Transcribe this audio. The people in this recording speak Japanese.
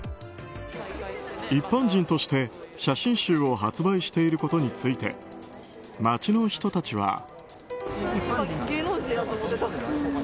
一般人として、写真集を発表していることについて街の人たちは。